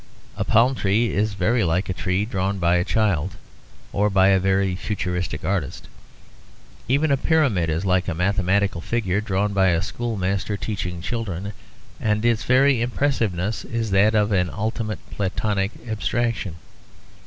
A palm tree is very like a tree drawn by a child or by a very futurist artist. Even a pyramid is like a mathematical figure drawn by a schoolmaster teaching children; and its very impressiveness is that of an ultimate Platonic abstraction.